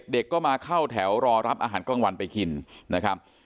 เด็กก็มาเข้าแถวรอรับอาหารกลางวันไปกินนะครับ